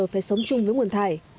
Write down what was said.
phải sống chung với nguồn thải